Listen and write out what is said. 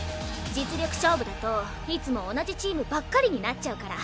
実力勝負だといつも同じチームばっかりになっちゃうから。